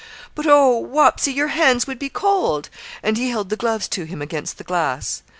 'But, oh! Wapsie, your hands would be cold;' and he held the gloves to him against the glass.